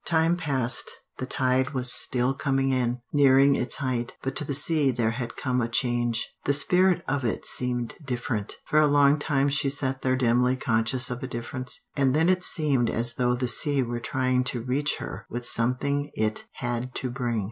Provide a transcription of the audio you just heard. Time passed; the tide was still coming in, nearing its height. But to the sea there had come a change. The spirit of it seemed different. For a long time she sat there dimly conscious of a difference, and then it seemed as though the sea were trying to reach her with something it had to bring.